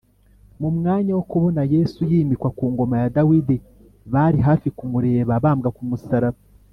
mu mwanya wo kubona yesu yimikwa ku ngoma ya dawidi, bari hafi kumureba abambwa ku musaraba